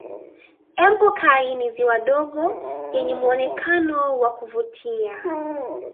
empokai ni ziwa dogo yenye muonekano wa kuvutia